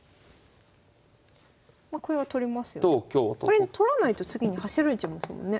これ取らないと次に走られちゃいますもんね。